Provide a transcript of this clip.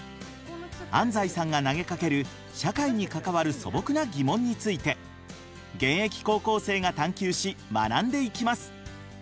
安斉さんが投げかける社会に関わる素朴な疑問について現役高校生が探究し学んでいきます。